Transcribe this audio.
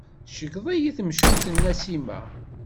Tceggeḍ-iyi temcucmt n Nasima.